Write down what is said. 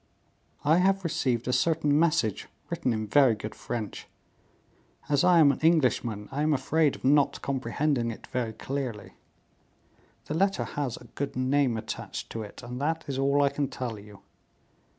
I have received a certain message, written in very good French. As I am an Englishman, I am afraid of not comprehending it very clearly. The letter has a good name attached to it, and that is all I can tell you.